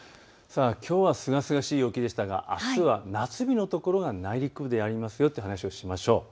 きょうはすがすがしい陽気でしたがあすは夏日の所が内陸部でありますという話をしましょう。